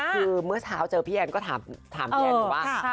คือเมื่อเช้าเจอพี่แอ้นก็ถามพี่แอ้นว่า